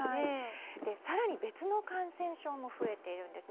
更に別の感染症も増えているんです。